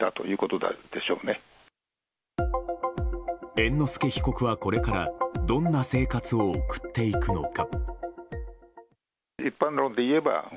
猿之助被告は、これからどんな生活を送っていくのか？